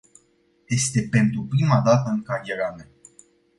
Este pentru prima dată în cariera mea.